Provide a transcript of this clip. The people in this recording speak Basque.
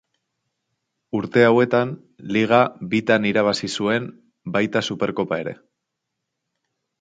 Urte hauetan liga bitan irabazi zuen baita Superkopa ere.